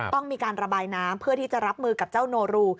ต้องมีการระบายน้ำเพื่อที่จะรับมือกับเจ้าโนรู